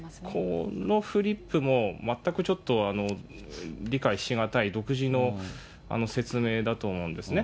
このフリップも、全くちょっと、理解し難い独自の説明だと思うんですね。